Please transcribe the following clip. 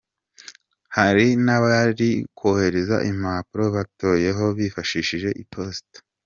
Hari n’abari kohereza impapuro batoreyeho bifashishije iposita.